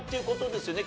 ですよね。